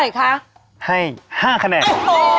เป็นอย่างไรครับ